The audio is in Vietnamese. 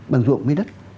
bằng ruộng với đất